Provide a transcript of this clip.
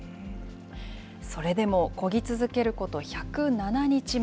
それでもこぎ続けること１０７日目。